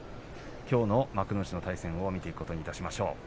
きょうの幕内の対戦を見ていくことにいたしましょう。